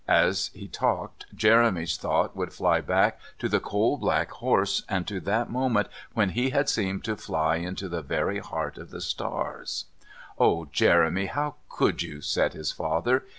As he talked Jeremy's thoughts would fly back to the coal black horse and to that moment when he had seemed to fly into the very heart of the stars. "Ah, Jeremy, how could you?" said his father.